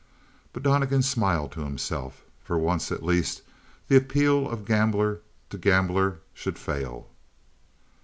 But Donnegan smiled to himself. For once at least the appeal of gambler to gambler should fail.